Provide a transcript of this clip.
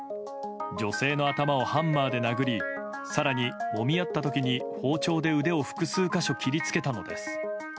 女性の頭をハンマーで殴り更に、もみ合った時に包丁で腕を複数箇所切りつけたのです。